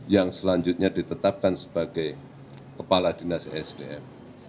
yang selanjutnya ditetapkan sebagai kepala dinas sdm